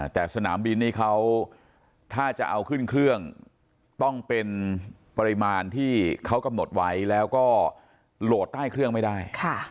แต่สนามบินนี่เขาถ้าจะเอาขึ้นเครื่องต้องเป็นปริมาณที่เขากำหนดไว้แล้วก็โหลดใต้เครื่องไม่ได้